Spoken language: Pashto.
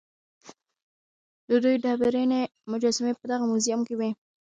د دوی ډبرینې مجسمې په دغه موزیم کې وې.